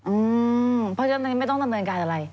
อืมเพราะฉะนั้นไม่ต้องทำเนินการอะไร